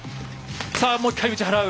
さあもう一回打ち払う！